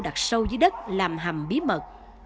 đặt sâu dưới đất làm hầm bí mật